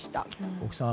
大木さん